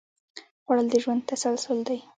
خوړل د ژوند تسلسل دی